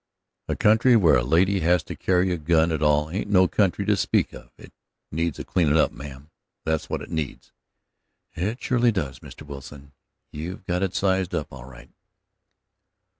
"A country where a lady has to carry a gun at all ain't no country to speak of. It needs cleanin' up, ma'am, that's what it needs." "It surely does, Mr. Wilson: you've got it sized up just right."